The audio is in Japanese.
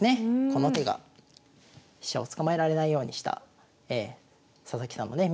この手が飛車を捕まえられないようにした佐々木さんのね